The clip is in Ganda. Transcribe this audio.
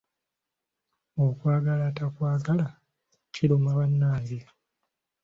Okwagala atakwagala kiruma bannange!